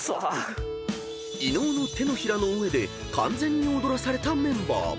［伊野尾の手のひらの上で完全に踊らされたメンバー］